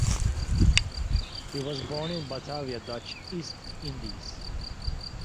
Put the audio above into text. He was born in Batavia, Dutch East Indies.